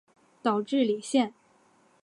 岛智里线